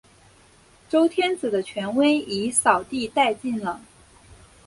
周天子的权威已扫地殆尽了。